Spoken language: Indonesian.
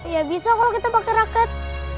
ya bisa kalau kita pakai raket